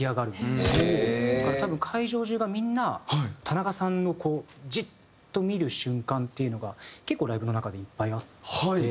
だから多分会場中がみんな田中さんをじっと見る瞬間っていうのが結構ライブの中でいっぱいあって。